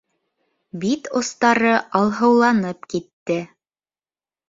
Бит остары алһыуланып китте.